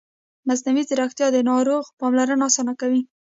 مصنوعي ځیرکتیا د ناروغ پاملرنه اسانه کوي.